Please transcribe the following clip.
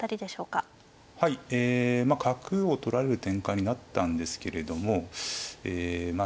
はいえ角を取られる展開になったんですけれどもえまあ